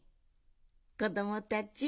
こどもたち